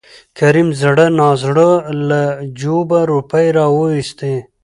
کريم زړه نازړه له جوبه روپۍ راوېستې.